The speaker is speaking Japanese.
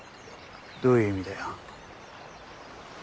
どういう意味だよ？